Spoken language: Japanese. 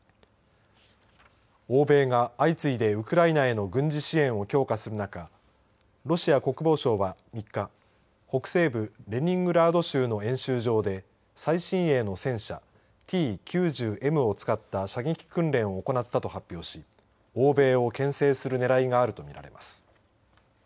欧米が相次いでウクライナへの軍事支援を強化する中ロシア国防省は３日北西部レニングラード州の演習場で最新鋭の戦車Ｔ９０Ｍを使った射撃訓練を行ったと発表し欧米をけん制するねらいがあるとみられます。